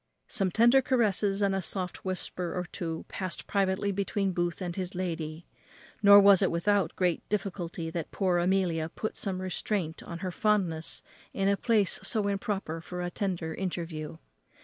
Some tender caresses and a soft whisper or two passed privately between Booth and his lady; nor was it without great difficulty that poor Amelia put some restraint on her fondness in a place so improper for a tender interview.